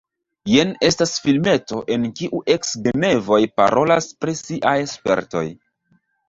Jen estas filmeto, en kiu eks-genevoj parolas pri siaj spertoj.